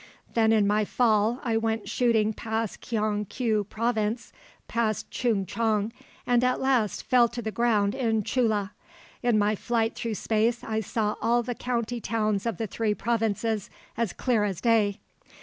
Then in my fall I went shooting past Kyong keui Province, past Choong chong, and at last fell to the ground in Chulla. In my flight through space I saw all the county towns of the three provinces as clear as day.